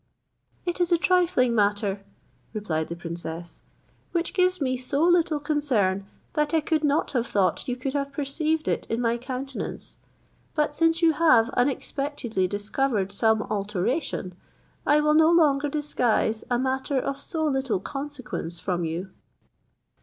"It is a trifling matter," replied the princess, "which gives me so little concern that I could not have thought you could have perceived it in my countenance; but since you have unexpectedly discovered some alteration, I will no longer disguise a matter of so little consequence from you."